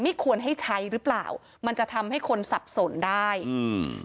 ควรให้ใช้หรือเปล่ามันจะทำให้คนสับสนได้อืม